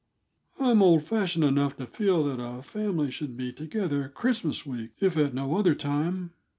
"I'm old fashioned enough to feel that a family should be together Christmas week, if at no other time.